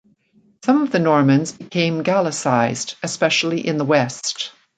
Some of the Normans became Gaelicised, especially in the West.